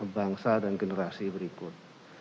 bangsa dan generasi berikut